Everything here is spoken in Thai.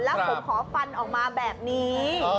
แล้วผมขอฟันออกมาแบบนี้